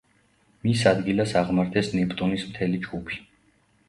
მის ადგილას აღმართეს ნეპტუნის მთელი ჯგუფი.